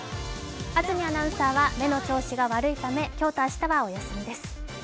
安住アナウンサーは目の調子が悪いため今日と明日はお休みです。